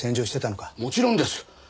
もちろんです！